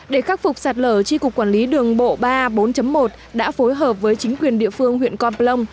để khắc phục sạt lở tri cục quản lý đường bộ ba bốn một đã phối hợp với chính quyền địa phương huyện con plong